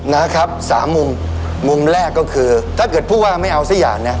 นะครับสามมุมมุมแรกก็คือถ้าเกิดผู้ว่าไม่เอาสักอย่างเนี่ย